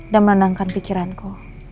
dan menenangkan pikiranku